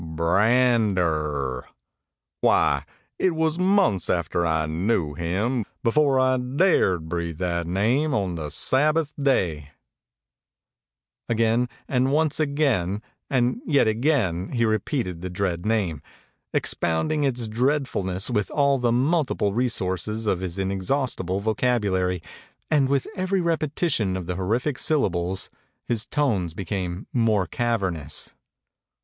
B r a n d e r, why, it was months after I knew him before I dared to breathe that name on the Sabbath day !" 278 MEMORIES OF MARK TWAIN Again and once again and yet again he re peated the dread name, expounding its dread fulness with all the multiple resources of his in exhaustible vocabulary, and with every repeti tion of the horrific syllables his tones became more cavernous.